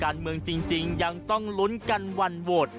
การเมืองจริงยังต้องลุ้นกันวันโหวต